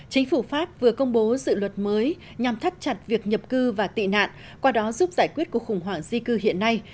chính phủ pháp vừa công bố dự luật mới nhằm thắt chặt việc nhập cư và tị nạn qua đó giúp giải quyết cuộc khủng hoảng di cư hiện nay